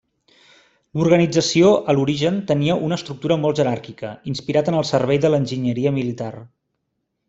L'organització a l'origen tenia una estructura molt jeràrquica, inspirat en el servei de l'enginyeria militar.